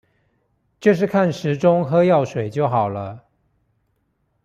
就是看時鐘喝藥水就好了